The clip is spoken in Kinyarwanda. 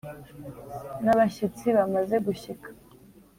n’abashyitsi bamaze gushyika